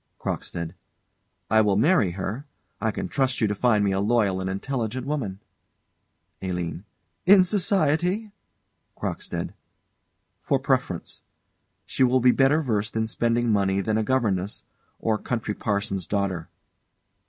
CROCKSTEAD. I will marry her, I can trust you to find me a loyal and intelligent woman. ALINE. In Society? CROCKSTEAD. For preference. She will be better versed in spending money than a governess, or country parson's daughter.